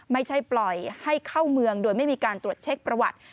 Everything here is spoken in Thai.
ไม่ใช่ปล่อยให้เข้าเมืองโดยไม่มีการตรวจเช็คประวัติ